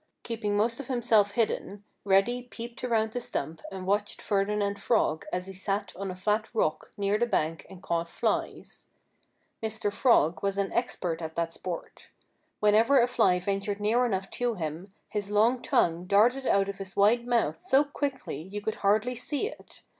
Keeping most of himself hidden, Reddy peeped around the stump and watched Ferdinand Frog as he sat on a flat rock near the bank and caught flies. Mr. Frog was an expert at that sport. Whenever a fly ventured near enough to him his long tongue darted out of his wide mouth so quickly you could hardly see it.